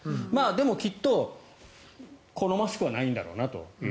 でも、きっと好ましくはないんだろうなと。